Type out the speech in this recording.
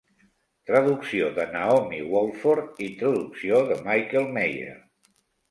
Traducció de Naomi Walford i introducció de Michael Meyer.